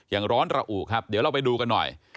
ร้อนระอุครับเดี๋ยวเราไปดูกันหน่อย